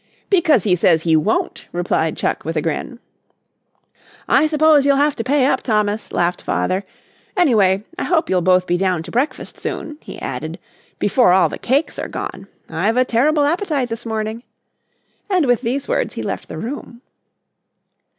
"Because he says he won't," replied Chuck with a grin. "I suppose you'll have to pay up Thomas," laughed Father. "Anyway, I hope you'll both be down to breakfast soon," he added "before all the cakes are gone. I've a terrible appetite this morning," and with these words he left the room.